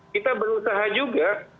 kita berusaha juga